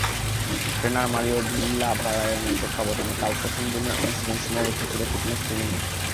Trainer Mario ভিল্লাভারায়নের তত্ত্বাবধানে কাল প্রথম দিনের অনুশীলন সীমাবদ্ধ ছিল ফিটনেস ট্রেনিংয়ে।